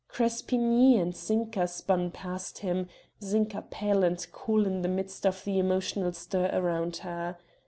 Crespigny and Zinka spun past him Zinka pale and cool in the midst of the emotional stir around her.